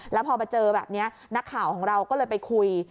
แล้วพอมาเจอแบบนี้นักข่าวของเราก็เลยไปคุย